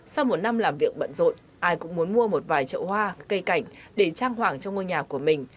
sau một năm làm việc bận rộn ai cũng muốn mua một vài chợ hoa cây cảnh để trang hoảng trong ngôi nhà của mình